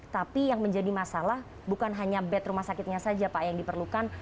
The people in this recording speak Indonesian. tapi yang menjadi masalah bukan hanya bed rumah sakitnya saja pak yang diperlukan